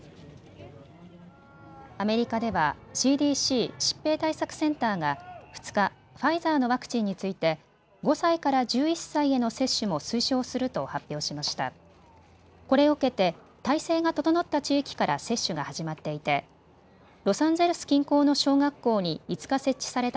アメリカではＣＤＣ・疾病対策センターが２日、ファイザーのワクチンについて５歳から１１歳への接種も推奨すると発表しました。